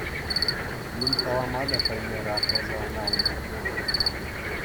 Ним калама та пӗлмерӗ аппӑшӗ ӑна ун чухне.